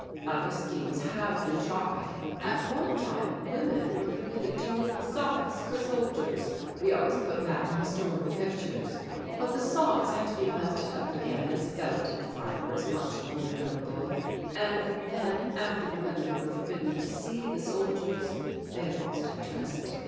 Other schemes have been tried; at one time women were permitted to knit socks for soldiers we always put that in historical pictures but the socks had to be melted up again as felted fibre is much more durable; and then, after the women were forbidden to see the soldiers, they lost interest.